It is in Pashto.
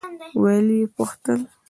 ويې پوښتل.